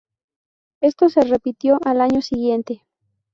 Esto se repitió al año siguiente.